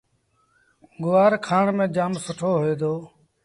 گُوآر کآڻ ميݩ جآم سُٺو هوئي دو۔